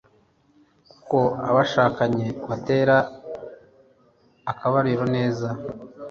kuko abashakanye Batera akabariro neza